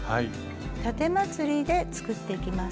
たてまつりで作っていきます。